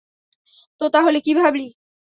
তো, তাহলে কী ভাবলি?